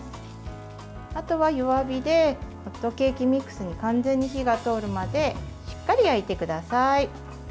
あとは弱火でホットケーキミックスに完全に火が通るまでしっかり焼いてください。